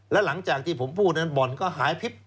แล้วหลังจากที่ผมพูดนั้นบ่อนก็หายพริบ